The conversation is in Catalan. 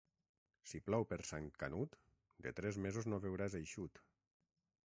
Si plou per Sant Canut, de tres mesos no veuràs eixut.